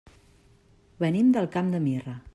Venim del Camp de Mirra.